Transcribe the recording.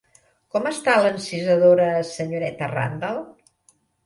Com està l'encisadora senyoreta Randal?